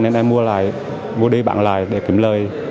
nên em mua đi bạn lại để kiếm lời